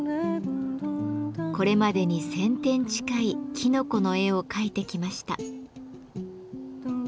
これまでに１，０００点近いきのこの絵を描いてきました。